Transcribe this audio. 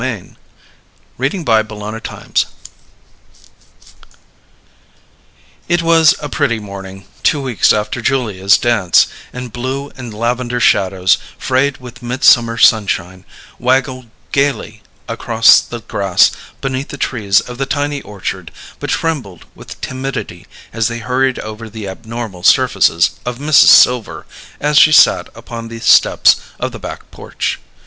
and believed it. CHAPTER THIRTEEN It was a pretty morning, two weeks after Julia's Dance; and blue and lavender shadows, frayed with mid summer sunshine, waggled gayly across the grass beneath the trees of the tiny orchard, but trembled with timidity as they hurried over the abnormal surfaces of Mrs. Silver as she sat upon the steps of the "back porch."